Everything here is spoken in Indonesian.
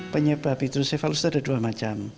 penyebab hidrosipalus ada dua macam